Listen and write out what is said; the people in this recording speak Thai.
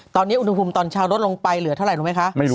ตอนนี้อุณหภูมิตอนเช้าลดลงไปเหลือเท่าไหร่รู้ไหมคะ